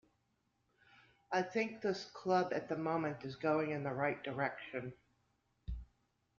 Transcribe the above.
I think this club at the moment is going in the right direction.